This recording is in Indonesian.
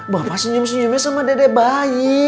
bapak senyum senyumnya sama dede bayi